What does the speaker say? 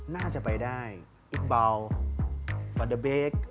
น่าจะไปได้อิ๊กเบาฟาเดอร์เบค